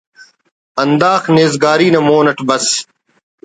ہنداخہ نیزگاری نا مون اٹ بس